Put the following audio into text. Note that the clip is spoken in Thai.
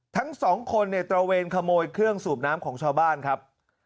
ทั้งสองคนเนี่ยตระเวนขโมยเครื่องสูบน้ำของชาวบ้านครับ